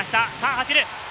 走る！